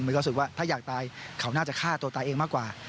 รู้สึกว่าถ้าอยากตายเขาน่าจะฆ่าตัวตายเองมากกว่า